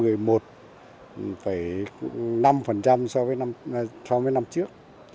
năm so với năm trước